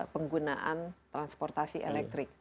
penggunaan transportasi elektrik